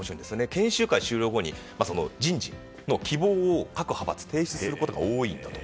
研修会終了後に、人事の希望を各派閥提出することが多いんだと。